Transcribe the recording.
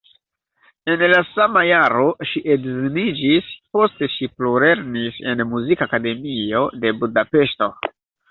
En la sama jaro ŝi edziniĝis, poste ŝi plulernis en Muzikakademio de Budapeŝto.